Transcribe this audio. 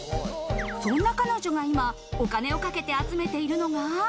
そんな彼女が今、お金をかけて集めているのが。